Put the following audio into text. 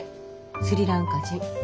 スリランカ人。